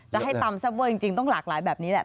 จะให้ตำเต้นเต้นเต้นเต้นจริงต้องหลากหลายแบบนี้แหละ